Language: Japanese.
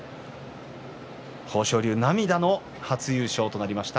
豊昇龍、涙の初優勝となりました。